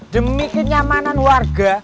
demi kenyamanan warga